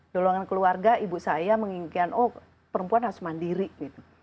dolongan keluarga ibu saya menginginkan oh perempuan harus mandiri gitu